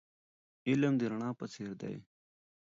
علم د رڼا په څېر دی.